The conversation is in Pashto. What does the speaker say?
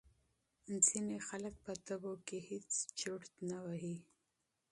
ځینې خلک بخارونه پر خپل حال پرېږدي.